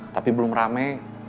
tapi belum rame